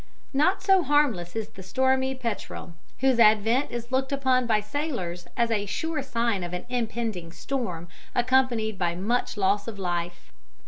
Not so harmless is the stormy petrel, whose advent is looked upon by sailors as a sure sign of an impending storm, accompanied by much loss of life.